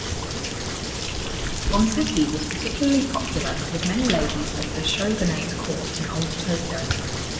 Bonseki was particularly popular with many ladies of the Shogunate court in old Tokyo.